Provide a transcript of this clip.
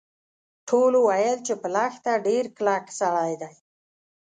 ټولو ویل چې په لښته ډیر کلک سړی دی.